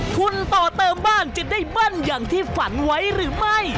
คุณต่อเติมบ้านจะได้เบิ้ลอย่างที่ฝันไว้หรือไม่